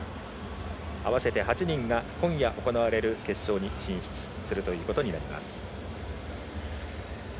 合わせて８人が今夜行われる決勝に進出となります。